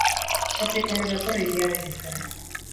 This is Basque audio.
Hortik omen dator hiriaren izena.